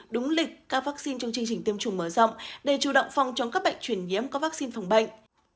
đúng lịch các vaccine trong chương trình tiêm chủng mở rộng để chủ động phòng chống các bệnh chuyển nhiễm có vaccine phòng bệnh